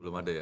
belum ada ya